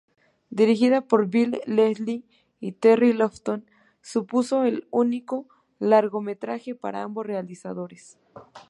Dirigida por Bill Leslie y Terry Lofton, supuso el único largometraje para ambos realizadores.